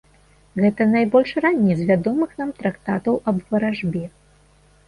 Гэта найбольш ранні з вядомых нам трактатаў аб варажбе.